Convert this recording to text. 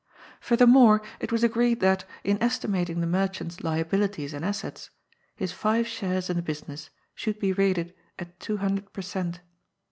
Furthermore it was agreed that — in estimating the merchant's liabilities and assets — his five shares in the busi ness should be rated at two hundred per cent.